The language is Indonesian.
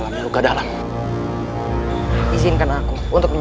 raden kian santang